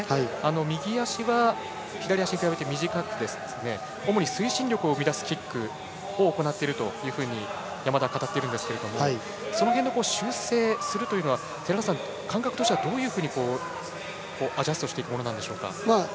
右足は左足に比べて短くて主に推進力を生み出すキックを行っていると山田は語っているんですけれどもその辺、修正するというのは寺田さん、感覚としてはどういうふうにアジャストしていくものですか。